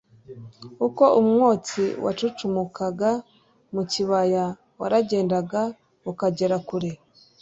uko umwotsi wacucumukaga mu gikarayi waragendaga ukagera kure